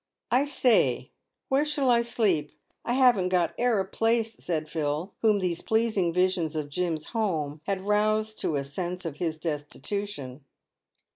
" I say, where shall I sleep ? I haven't got e'er a place," said Phil, whom these pleasing visions of Jim's home had roused to a sense of his destitution.